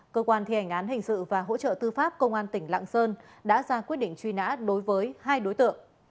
cơ quan thi hành án hình sự và hỗ trợ tư pháp công an tỉnh lạng sơn đã ra quyết định truy nã đối với hai đối tượng